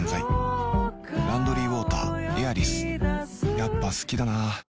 やっぱ好きだな